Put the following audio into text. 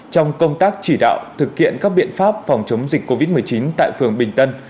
trong công tác chỉ đạo thực hiện các biện pháp phòng chống dịch covid một mươi chín tại phường bình tân